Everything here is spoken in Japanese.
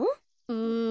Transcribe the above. うん。